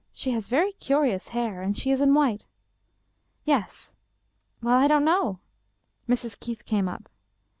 She has very curious hair and she is in white." " Yes." " Well, I don't know." Mrs. Keith came up.